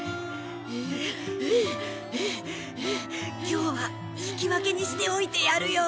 今日は引き分けにしておいてやるよ。